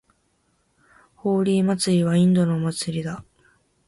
ホーリー祭はインドのお祭りだ。